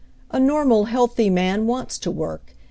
"A normal, healthy man wants to work.